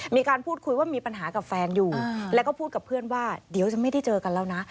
มีการพูดคุยว่ามีปัญหากับแฟนอยู่แล้วก็พูดกับเพื่อนว่าเดี๋ยวจะไม่ได้เจอกันแล้วนะ